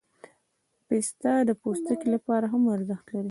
پسه د پوستکي لپاره هم ارزښت لري.